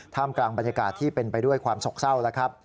ท่ามกลางบรรยากาศที่เป็นไปด้วยความศกเศร้า